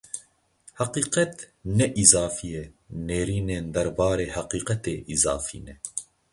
Heqîqet ne îzafî ye, nêrînên derbarê heqîqetê îzafî ne.